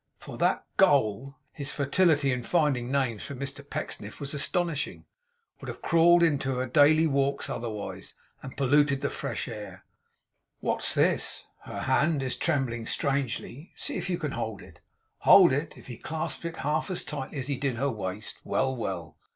For that Ghoul' his fertility in finding names for Mr Pecksniff was astonishing 'would have crawled into her daily walks otherwise, and polluted the fresh air. What's this? Her hand is trembling strangely. See if you can hold it.' Hold it! If he clasped it half as tightly as he did her waist. Well, well!